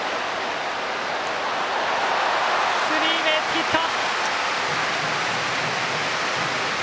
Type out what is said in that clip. スリーベースヒット！